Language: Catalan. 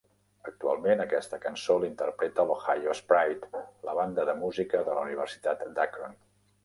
Actualment, aquesta cançó l'interpreta l'Ohio's Pride, la banda de música de la universitat d'Akron.